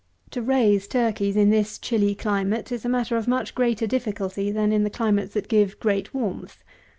To raise turkeys in this chilly climate, is a matter of much greater difficulty than in the climates that give great warmth.